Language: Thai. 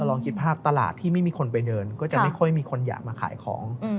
ลองคิดภาพตลาดที่ไม่มีคนไปเดินก็จะไม่ค่อยมีคนอยากมาขายของ